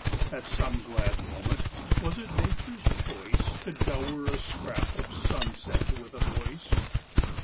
At some glad moment was it Nature's choice To dower a scrap of sunset with a voice?"